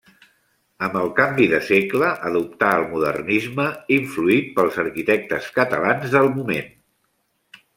Amb el canvi de segle, adoptà el modernisme, influït pels arquitectes catalans del moment.